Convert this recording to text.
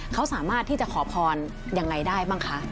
เขาสามารถที่จะขอพรยังไงได้บ้างคะ